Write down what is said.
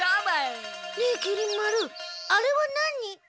ねえきり丸あれは何？